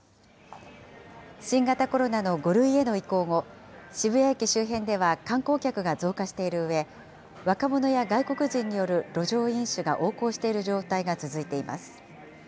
新型コロナの５類への移行後、渋谷駅周辺では観光客が増加しているうえ、若者や外国人による路上飲酒が横行している状態が続いています。